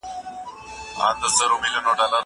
زه هره ورځ لیکل کوم!!